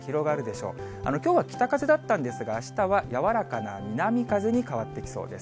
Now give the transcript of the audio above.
きょうは北風だったんですが、あしたは柔らかな南風に変わってきそうです。